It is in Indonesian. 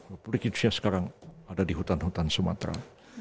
republik indonesia sekarang ada di hutan hutan sumatera